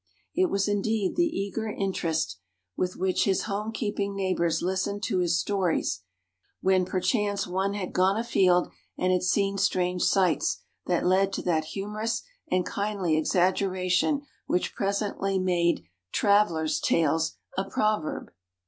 It was, indeed, the eager interest with which his home keeping neighbors listened to his stories, when perchance one had gone afield and had seen strange sights, that led to that humorous and kindly exaggeration which presently made "travelers' tales" a proverb.